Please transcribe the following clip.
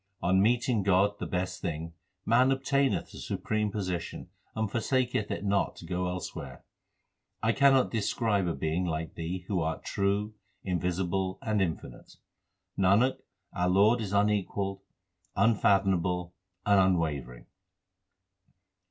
On meeting God, the best thing, man obtaineth the supreme position, and forsaketh it not to go elsewhere. I cannot describe a Being like Thee who art true, invisible, and infinite. Nanak, our Lord is unequalled, unfathomable, and un wavering.